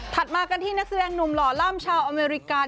มากันที่นักแสดงหนุ่มหล่อล่ำชาวอเมริกา